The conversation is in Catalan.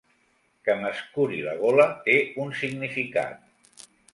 Que m'escuri la gola té un significat.